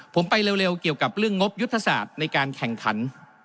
ผมไปเร็วเกี่ยวกับเรื่องงบยุทธศาสตร์ในการแข่งขัน